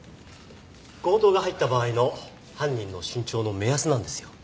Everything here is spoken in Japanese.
強盗が入った場合の犯人の身長の目安なんですよ。